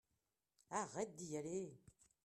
arrête d'y aller.